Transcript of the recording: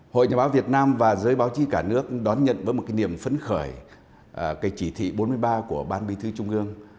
hội nhà báo việt nam và giới báo chí cả nước đón nhận với một cái niềm phấn khởi cái chỉ thị bốn mươi ba của ban bí thư trung ương